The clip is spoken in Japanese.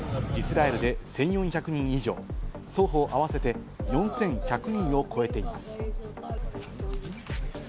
イスラエルで１４００人以上、双方合わせて４１００人を超えています。